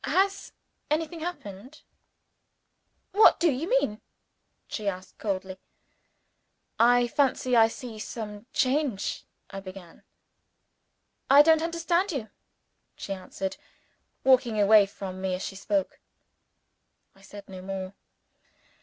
"Has anything happened?" "What do you mean?" she asked coldly. "I fancy I see some change " I began. "I don't understand you," she answered, walking away from me as she spoke. I said no more.